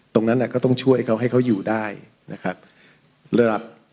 ตรงนั้นก็ต้องช่วยเขาให้เขาอยู่ได้นะครับ